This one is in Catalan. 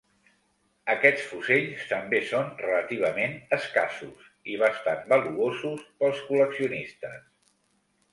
Aquests fusells també són relativament escassos i bastant valuosos pels col·leccionistes.